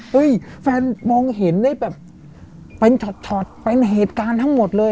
แฟนมองเห็นได้แบบเป็นช็อตเป็นเหตุการณ์ทั้งหมดเลย